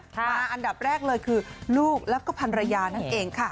อันดับแรกเลยคือลูกแล้วก็พันรยานั่นเองค่ะ